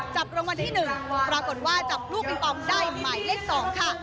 จับรางวัลที่๑ปรากฏว่าจับลูกปิงปองได้หมายเลข๒ค่ะ